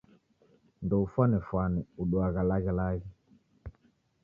Ndoufwanefwane uduagha laghelaghe.